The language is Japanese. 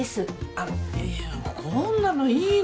あっいやこんなのいいのよ。